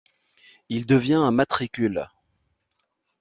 Il devient un matricule.